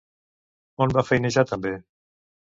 On va feinejar també?